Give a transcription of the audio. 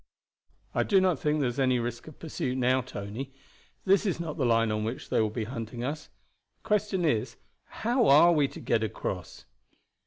"I do not think there is any risk of pursuit now, Tony. This is not the line on which they will be hunting us. The question is how are we to get across?"